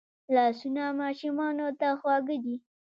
لاسونه ماشومانو ته خواږه دي